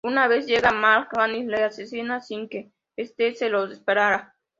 Una vez llega a Mal’Ganis, le asesina sin que este se lo esperara.